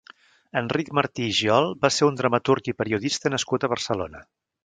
Enric Martí i Giol va ser un dramaturg i periodista nascut a Barcelona.